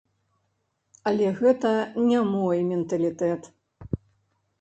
Але гэта не мой менталітэт.